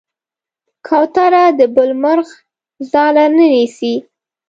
کوتره د بل مرغه ځاله نه نیسي.